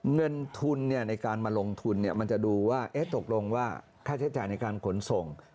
เงินทุนในการมาลงทุนมันจะดูว่าตกลงว่าค่าใช้จ่ายในการขนส่ง